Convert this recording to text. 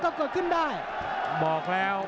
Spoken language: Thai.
บอกแล้ว